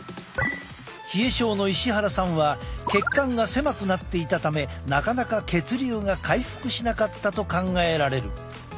冷え症の石原さんは血管が狭くなっていたためなかなか血流が回復しなかったと考えられる。